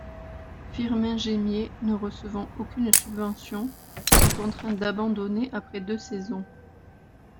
Firmin Gémier, ne recevant aucune subvention, fut contraint d'abandonner après deux saisons.